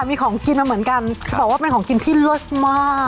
มีของกินมาเหมือนกันบอกว่าเป็นของกินที่เลิศมาก